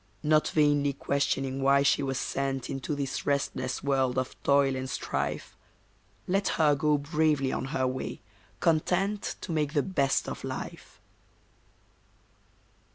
Not vainly questioning why she was sent Into this restless world of toil and strife, Let her go bravely on her way, content To make the best of life.